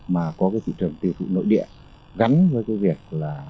mà có thị trường tiêu thụ nội địa gắn với việc